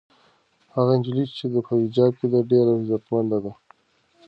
هغه نجلۍ چې په حجاب کې ده ډېره عزتمنده ده.